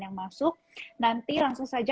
yang masuk nanti langsung saja